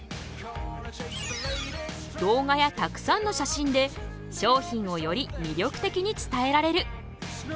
動画やたくさんの写真で商品をより魅力的に伝えられる。